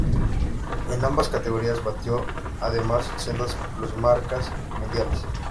En ambas categorías batió además sendas plusmarcas mundiales.